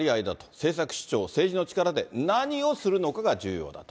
政策・主張、政治の力で何をするのかが重要だと。